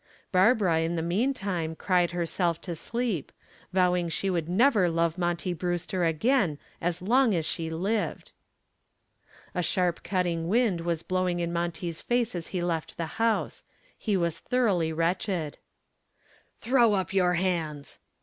Barbara, in the meantime, cried herself to sleep, vowing she would never love Monty Brewster again as long as she lived. A sharp cutting wind was blowing in Monty's face as he left the house. He was thoroughly wretched. "Throw up your hands!"